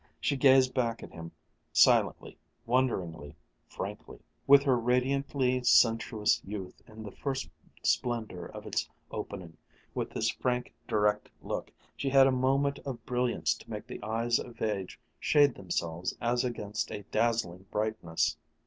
She gazed back at him silently, wonderingly, frankly. With her radiantly sensuous youth in the first splendor of its opening, with this frank, direct look, she had a moment of brilliance to make the eyes of age shade themselves as against a dazzling brightness.